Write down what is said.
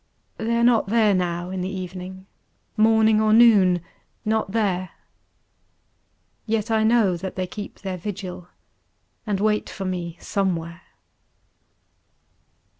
They are not there now in the evening Morning or noon not there; Yet I know that they keep their vigil, And wait for me Somewhere.